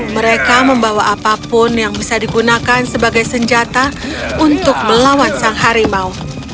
mereka membawa apapun yang bisa digunakan sebagai senjata untuk melawan sang harimau